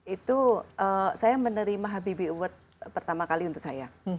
itu saya menerima habibie award pertama kali untuk saya